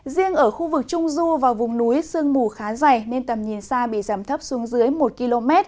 riêng ở khu vực trung du và vùng núi sương mù khá dày nên tầm nhìn xa bị giảm thấp xuống dưới một km